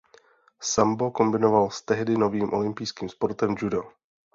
Sambo kombinoval s tehdy novým olympijským sportem judo.